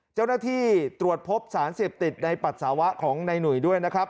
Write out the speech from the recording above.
เจ้าหน้าที่ตรวจพบสารเสพติดในปัสสาวะของในหนุ่ยด้วยนะครับ